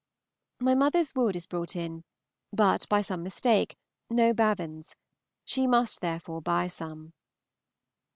My mother's wood is brought in, but, by some mistake, no bavins. She must therefore buy some.